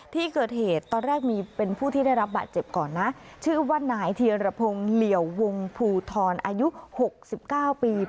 ที่เกิดเหตุตอนแรกมีเป็นผู้ที่ได้รับบาดเจ็บก่อนนะชื่อว่านายเทียรพงศ์เหลี่ยววงภูทรอายุ๖๙ปี